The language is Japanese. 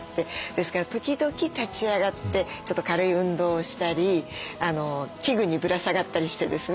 ですから時々立ち上がってちょっと軽い運動をしたり器具にぶら下がったりしてですね。